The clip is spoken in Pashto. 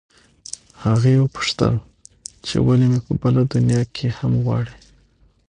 هغې وپوښتل چې ولې مې په بله دنیا کې هم غواړې